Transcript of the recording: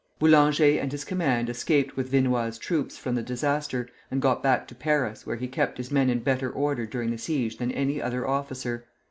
Boulanger and his command escaped with Vinoy's troops from the disaster, and got back to Paris, where he kept his men in better order during the siege than any other officer.